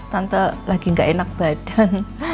tante lagi gak enak badan